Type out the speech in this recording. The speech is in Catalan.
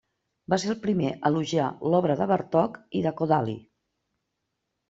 Va ser el primer a elogiar l'obra de Bartók i de Kodály.